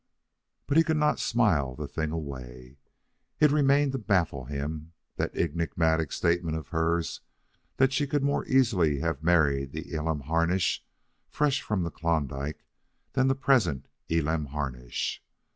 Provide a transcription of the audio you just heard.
But he could not smile the thing away. It remained to baffle him, that enigmatic statement of hers that she could more easily have married the Elam Harnish fresh from the Klondike than the present Elam Harnish.